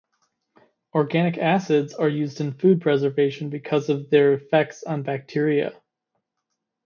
Organic acids are used in food preservation because of their effects on bacteria.